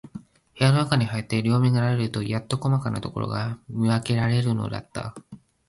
部屋のなかへ入って、両眼が慣れるとやっと、こまかなところが見わけられるのだった。